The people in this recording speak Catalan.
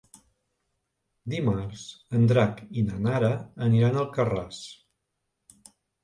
Dimarts en Drac i na Nara aniran a Alcarràs.